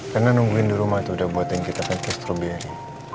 karena nungguin di rumah itu udah buatin kita pake strawberry